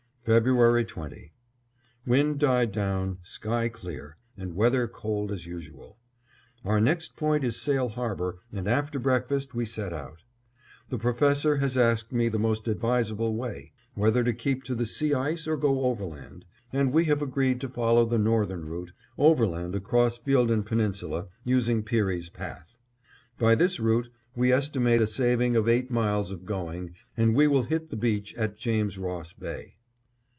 February 20: Wind died down, sky clear, and weather cold as usual. Our next point is Sail Harbor and after breakfast we set out. The Professor has asked me the most advisable way; whether to keep to the sea ice or go overland, and we have agreed to follow the northern route, overland across Fielden Peninsula, using Peary's Path. By this route we estimate a saving of eight miles of going, and we will hit the beach at James Ross Bay.